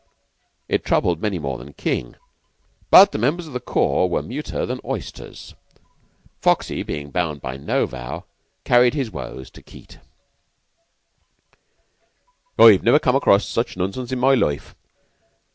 It troubled many more than King, but the members of the corps were muter than oysters. Foxy, being bound by no vow, carried his woes to Keyte. "I never come across such nonsense in my life.